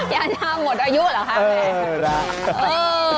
ยาชาหมดอายุหรือค่ะแม่